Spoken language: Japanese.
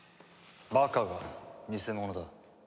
バカが偽者だ。